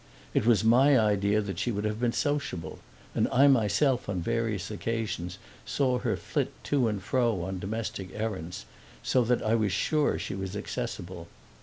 It was my idea that she would have been sociable, and I myself on various occasions saw her flit to and fro on domestic errands, so that I was sure she was accessible.